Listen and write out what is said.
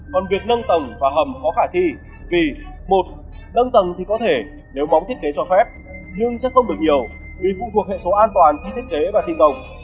còn việc nâng tầng và hầm khó khả thi vì một nâng tầng thì có thể nếu bóng thiết kế cho phép nhưng sẽ không được nhiều vì phụ thuộc hệ số an toàn khi thiết kế và sinh tồn